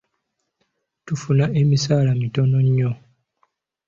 Tufuna emisaala mitono nnyo.